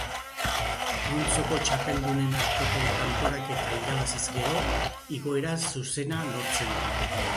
Multzoko txapeldunen arteko kanporaketa irabaziz gero, igoera zuzena lortzen da.